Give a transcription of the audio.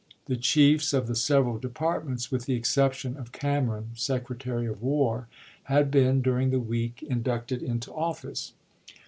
The chiefs of the several departments, with the exception of Cameron, Secretary of War, had been during the week inducted into office.